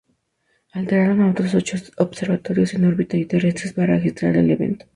Alertaron a otros ocho observatorios en órbita y terrestres para registrar el evento.